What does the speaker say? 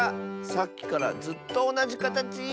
さっきからずっとおなじかたち！